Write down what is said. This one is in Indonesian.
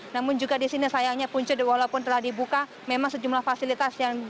namun juga di sini sayangnya punca walaupun telah dibuka memang sejumlah fasilitas yang